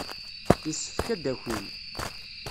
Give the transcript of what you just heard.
Yessefk ad d-akin.